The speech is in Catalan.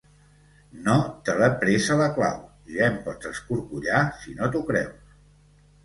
No te l'he presa, la clau: ja em pots escorcollar si no t'ho creus.